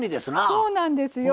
そうなんですよ。